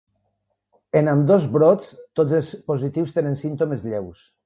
En ambdós brots tots els positius tenen símptomes lleus.